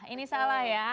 ini salah ya